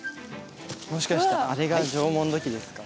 もしかしてあれが縄文土器ですか？